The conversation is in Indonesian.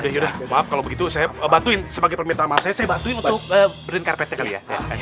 udah udah maaf kalau begitu saya bantuin sebagai pemirta mahasiswa saya bantuin untuk berin karpetnya kali ya